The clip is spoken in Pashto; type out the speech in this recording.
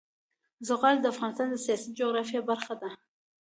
زغال د افغانستان د سیاسي جغرافیه برخه ده.